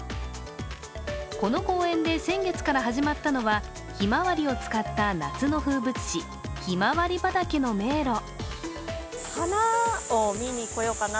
この公園で先月から始まったのはひまわりを使った夏の風物詩、ひまわり畑の迷路。